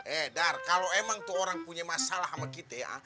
eh dar kalo emang tuh orang punya masalah sama kita ya